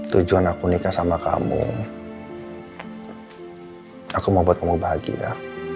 tujuan aku nikah sama kamu aku mau buat kamu bahagia